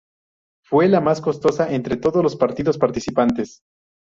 Fue la más costosa de entre todos los partidos participantes.